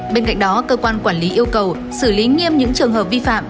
bên cạnh đó cơ quan quản lý yêu cầu xử lý nghiêm những trường hợp vi phạm